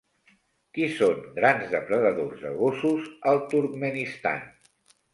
Qui són grans depredadors de gossos al Turkmenistan?